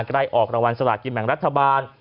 ก็ได้ออกรางวัลสลัดกินแห่งรัฐบาล